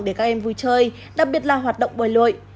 để các em vui chơi đặc biệt là hoạt động bơi lội